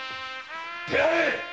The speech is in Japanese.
出会え！